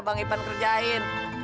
bang ipan kerjain